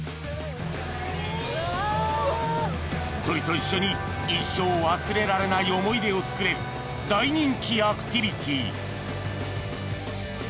［鳥と一緒に一生忘れられない思い出を作れる大人気アクティビティ］